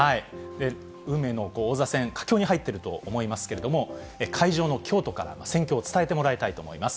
運命の王座戦、佳境に入っていると思いますけれども、会場の京都から戦況を伝えてもらいたいと思います。